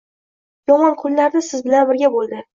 -yomon kunlarda siz bilan birga bo‘ldi.